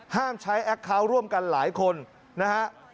ห้ามใช้แอคเคาน์ร่วมกันหลายคนนะฮะ